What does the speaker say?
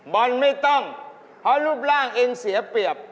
บอลไม่ต้องเพราะรูปร่างเองเสียเปรียบ